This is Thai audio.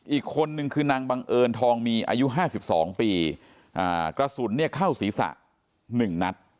อีกคนนึงคือนางบังเอิญทองมีอายุ๕๒ปีกระสุนเนี่ยเข้าศีรษะ๑นัด